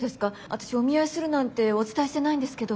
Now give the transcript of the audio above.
私お見合いするなんてお伝えしてないんですけど。